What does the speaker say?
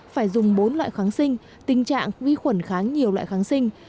phải dùng bốn loại kháng sinh tình trạng vi khuẩn kháng nhiều loại kháng sinh